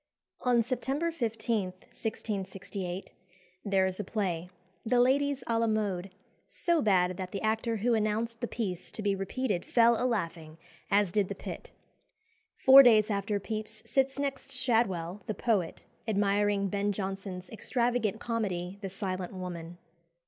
On September 15, 1668, there is a play "The Ladies à la Mode" so bad that the actor who announced the piece to be repeated fell a laughing, as did the pit. Four days after Pepys sits next Shadwell, the poet, admiring Ben Jonson's extravagant comedy, "The Silent Woman."